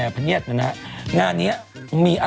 ยังไม่จบกันเลยหน่ะ